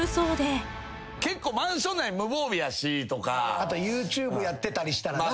あとＹｏｕＴｕｂｅやってたりしたらな。